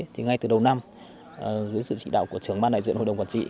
thì ngay từ đầu năm dưới sự chỉ đạo của trưởng ban đại diện hội đồng quản trị